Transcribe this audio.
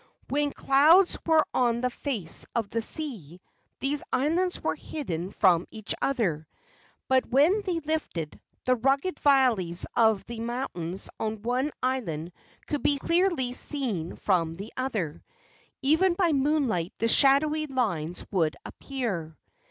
When clouds were on the face of the sea, these islands were hidden from each other; but when they lifted, the rugged valleys of the mountains on one island could be clearly seen from the other. Even by moonlight the shadowy lines would appear.